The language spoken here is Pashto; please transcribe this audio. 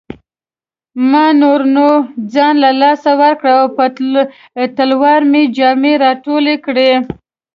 ما نور نو ځان له لاسه ورکړ او په تلوار مې جامې راټولې کړې.